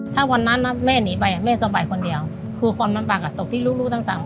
ถ้าวันนั้นแม่หนีไปแม่สบายคนเดียวคือความลำบากอาจตกที่ลูกทั้ง๓คน